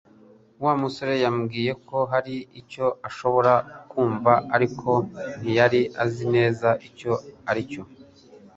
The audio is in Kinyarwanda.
Wa musore yambwiye ko hari icyo ashobora kumva, ariko ntiyari azi neza icyo aricyo